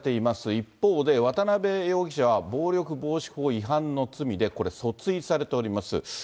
一方で、渡辺容疑者は暴力防止法違反の罪で、訴追されております。